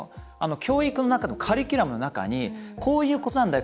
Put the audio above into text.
教育の中、カリキュラムの中にこういうことなんだよ